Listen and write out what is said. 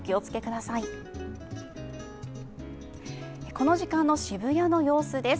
この時間の渋谷の様子です。